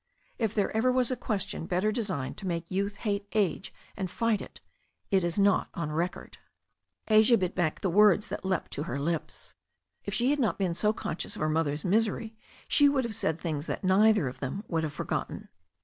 If there ever was a question better designed to make youth hate age and fight it, it is not on record. Asia bit back the words that leapt to her lips. If she THE STORY OF A NEW ZEALAND RIVER 225 had not been so conscious of her mother's misery she would have said things that neither of them would have forgot ten.